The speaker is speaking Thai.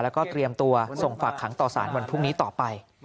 แล้วก็เตรียมตัวส่งฝากขังต่อสารวันพรุ่งนี้ต่อไป